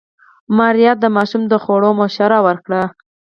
ماريا د ماشوم د خوړو مشوره ورکړه.